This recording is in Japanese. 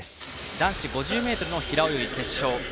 男子５０ｍ平泳ぎ決勝。